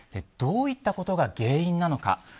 どういったことが原因なのか。